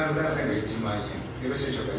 よろしいでしょうか？